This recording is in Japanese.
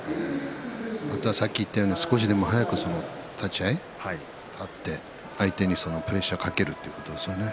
またさっき言ったように少しでも早く立ち合い立って相手にプレッシャーをかけるということですよね。